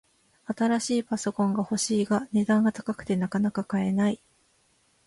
新しいパソコンが欲しいが、値段が高くてなかなか買えない